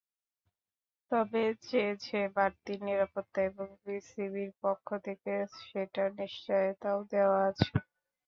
তবে চেয়েছে বাড়তি নিরাপত্তা এবং বিসিবির পক্ষ থেকে সেটার নিশ্চয়তাও দেওয়া আছে।